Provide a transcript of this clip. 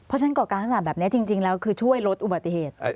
เพราะฉะนั้นก่อการลักษณะแบบนี้จริงแล้วคือช่วยลดอุบัติเหตุ